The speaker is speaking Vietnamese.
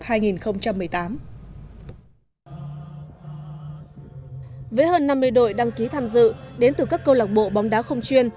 với hơn năm mươi đội đăng ký tham dự đến từ các câu lạc bộ bóng đá không chuyên